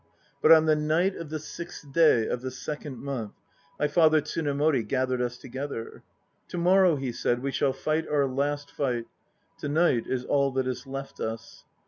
But on the night of the sixth day of the second month My father Tsunemori gathered us together. "To morrow," he said, "we shall fight our last fight. To night is all that is left us."